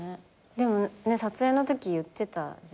でも撮影のとき言ってたじゃん。